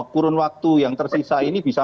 kurun waktu yang tersisa ini bisa